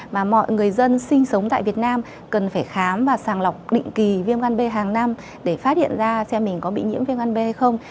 mà mọi người dân sinh sống tại việt nam cần phải khám và sàng lọc định kỳ viêm gan b hàng năm để phát hiện ra xem mình có bị nhiễm viêm gan b không